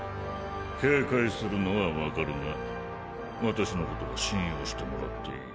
警戒するのは分かるが私のことは信用してもらっていい。